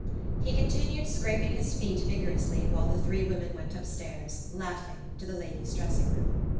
He continued scraping his feet vigorously while the three women went upstairs, laughing, to the ladies' dressing room.